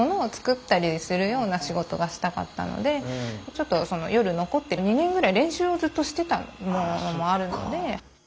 ちょっとその夜残って２年ぐらい練習をずっとしてたのもあるので。